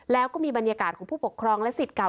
แล้วก็มีบรรยากาศของผู้ปกครองและสิทธิ์เก่า